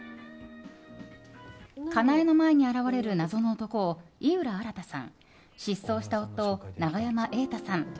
かなえの前に現れる謎の男を井浦新さん失踪した夫を永山瑛太さん